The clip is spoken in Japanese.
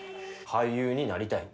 俳優になりたい。